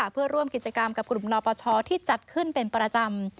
เพื่อร่วมกิจกรรมกับกลุ่มนปชที่จัดขึ้นเป็นประจำ